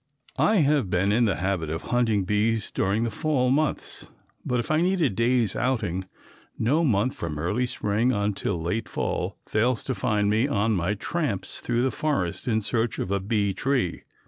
I have been in the habit of hunting bees during the fall months, but if I need a day's outing, no month from early spring, until late fall fails to find me on my tramps through the forest in search of a bee tree.